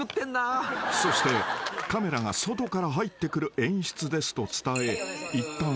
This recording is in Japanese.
［そしてカメラが外から入ってくる演出ですと伝え］